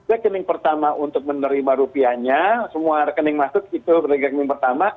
rekening pertama untuk menerima rupiahnya semua rekening masuk itu rekening pertama